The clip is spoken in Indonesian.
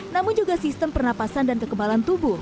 namun juga sistem pernapasan dan kekebalan tubuh